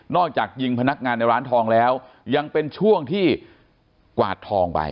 จากยิงพนักงานในร้านทองแล้วยังเป็นช่วงที่กวาดทองไป